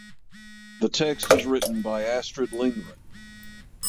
The text is written by Astrid Lindgren.